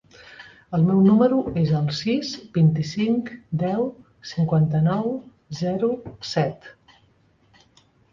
El meu número es el sis, vint-i-cinc, deu, cinquanta-nou, zero, set.